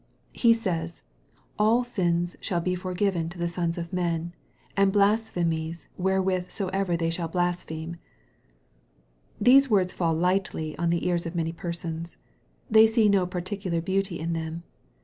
He says, " all sins shall be forgiven to the sons of men, and blasphemies wherewith soever they shall blaspheme." These words fall lightly on the ears of many persons. They see no particular beauty in them.